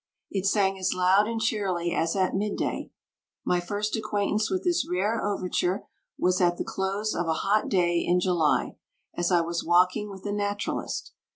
It sang as loud and cheerily as at midday. My first acquaintance with this rare overture was at the close of a hot day in July, as I was walking with a naturalist.